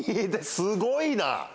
すごいな。